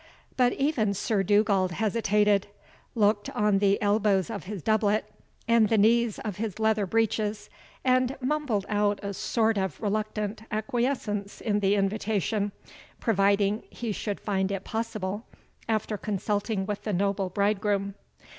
But even Sir Dugald hesitated, looked on the elbows of his doublet, and the knees of his leather breeches, and mumbled out a sort of reluctant acquiescence in the invitation, providing he should find it possible, after consulting with the noble bridegroom.